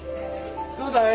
どうだい？